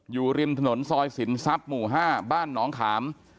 อยู่ริมถนนซอยสินทรัพย์หมู่๕บ้านหนองขาม